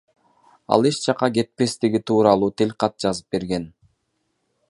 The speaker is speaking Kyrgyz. Ал эч жакка кетпестиги тууралуу тил кат жазып берген.